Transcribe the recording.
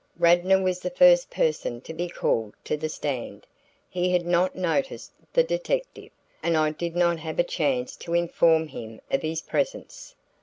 Radnor was the first person to be called to the stand. He had not noticed the detective, and I did not have a chance to inform him of his presence.